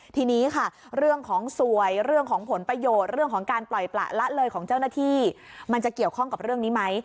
ทีนี้ค่ะเรื่องของสวยเรื่องของผลประโยชน์เรื่องของการปล่อยประละเลยของเจ้าหน้าที่มันจะเกี่ยวข้องกับเรื่องนี้ไหม